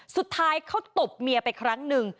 สุดท้ายเขาตบเมียไปครั้งหนึ่ง